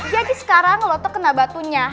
jadi sekarang lo tuh kena batunya